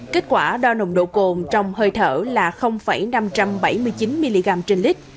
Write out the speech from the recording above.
kết quả đo nồng độ cồn trong hơi thở là năm trăm bảy mươi chín mg trên lít